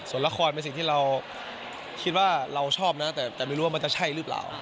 ส่วนละครเป็นสิ่งที่เราคิดว่าเราชอบนะแต่ไม่รู้ว่ามันจะใช่หรือเปล่า